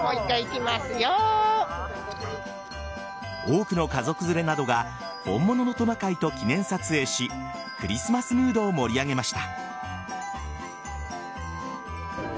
多くの家族連れなどが本物のトナカイと記念撮影しクリスマスムードを盛り上げました。